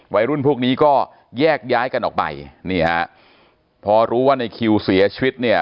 วัยรุ่นพวกนี้ก็แยกย้ายกันออกไปนี่ฮะพอรู้ว่าในคิวเสียชีวิตเนี่ย